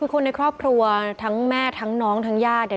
คนในครอบครัวทั้งแม่ทั้งน้องทั้งญาติ